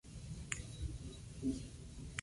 Durante un episodio de wwe.com's "Byte This!